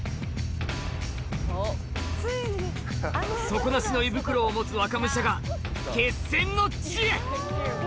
底なしの胃袋を持つ若武者が決戦の地へ！